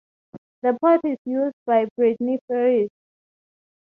The Port is used by Brittany Ferries.